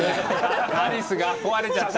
アリスが壊れちゃったよ。